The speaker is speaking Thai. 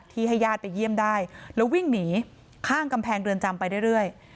ให้ญาติไปเยี่ยมได้แล้ววิ่งหนีข้างกำแพงเรือนจำไปเรื่อย